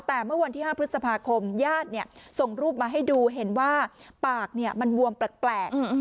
แต่เมื่อวันที่๕พฤษภาคมญาติส่งรูปมาให้ดูเห็นว่าปากมันบวมแปลก